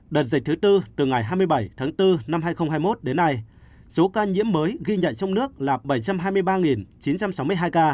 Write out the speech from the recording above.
đợt dịch thứ tư từ ngày hai mươi bảy tháng bốn năm hai nghìn hai mươi một đến nay số ca nhiễm mới ghi nhận trong nước là bảy trăm hai mươi ba chín trăm sáu mươi hai ca